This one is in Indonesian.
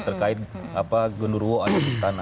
terkait apa gendurwo adikistana